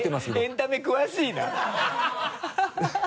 エンタメ詳しいな